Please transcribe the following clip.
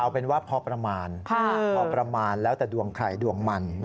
เอาเป็นว่าพอประมาณพอประมาณแล้วแต่ดวงใครดวงมัน